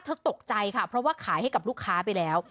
ตกใจค่ะเพราะว่าขายให้กับลูกค้าไปแล้ว